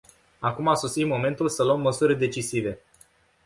Acum a sosit momentul să luăm măsuri decisive.